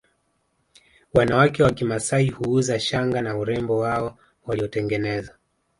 Wanawake wa kimasai huuza shanga na urembo wao waliotengeneza